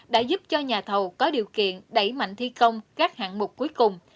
đã giúp cho nhà thầu có điều kiện đẩy mạnh thi công các hạng mục cuối cùng